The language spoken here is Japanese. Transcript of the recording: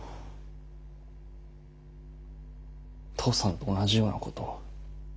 父さんと同じようなことを。